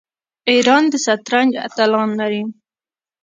ایران د شطرنج اتلان لري.